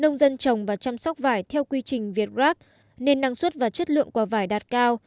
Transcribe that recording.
nông dân trồng và chăm sóc vải theo quy trình việt grab nên năng suất và chất lượng quả vải đạt cao